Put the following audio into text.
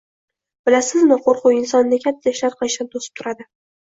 Bilasizmi, qo’rquv insonni katta ishlar qilishdan to’sib turadi